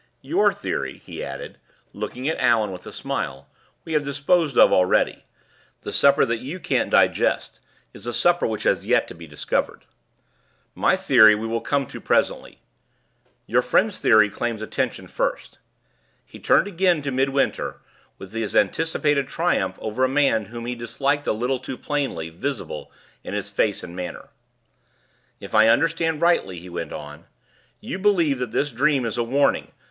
Your theory," he added, looking at Allan, with a smile, "we have disposed of already: the supper that you can't digest is a supper which has yet to be discovered. My theory we will come to presently; your friend's theory claims attention first." He turned again to Midwinter, with his anticipated triumph over a man whom he disliked a little too plainly visible in his face and manner. "If I understand rightly," he went on, "you believe that this dream is a warning!